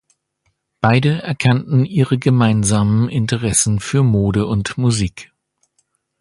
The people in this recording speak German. Beide erkannten ihre gemeinsamen Interessen für Mode und Musik.